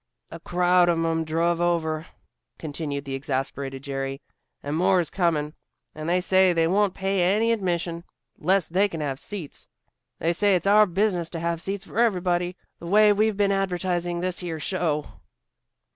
"A crowd of 'em drove over," continued the exasperated Jerry, "and more's coming. And they say they won't pay any admission, 'less they can have seats. They say it's our business to have seats for everybody, the way we've been advertising this here show."